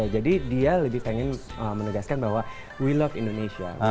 jadi dia lebih pengen menegaskan bahwa we love indonesia